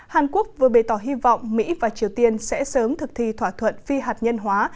hàn quốc vừa bày tỏ hy vọng mỹ và triều tiên sẽ sớm thực thi thỏa thuận phi hạt nhân hóa